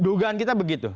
dugaan kita begitu